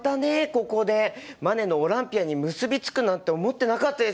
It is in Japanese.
ここでマネの「オランピア」に結び付くなんて思ってなかったです。